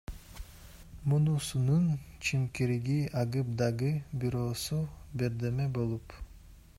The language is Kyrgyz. Мунусунун чимкириги агып, дагы бирөөсү бирдеме болуп!